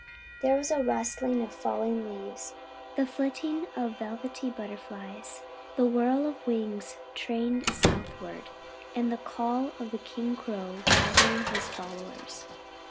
There was the rustle of falling leaves, the flitting of velvety butterflies, the whir of wings trained southward, and the call of the king crow gathering his followers.